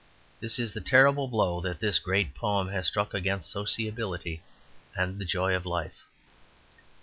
This is the terrible blow that this great poem has struck against sociability and the joy of life.